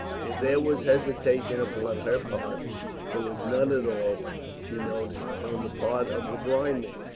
If there was hesitation upon her part, there was none at all, she noticed, on the part of the blind man.